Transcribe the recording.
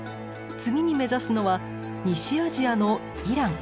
次に目指すのは西アジアのイラン。